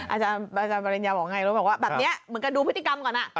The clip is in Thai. อาจารย์บริญญาบอกไงแบบเนี่ยเหมือนกันดูพฤติกรรมก่อน